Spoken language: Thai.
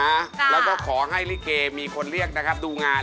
แล้วก็ขอให้ลิเกมีคนเรียกนะครับดูงาน